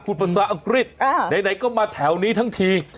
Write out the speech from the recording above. พูดภาษาอังกฤษไหนก็มาแถวนี้ทั้งที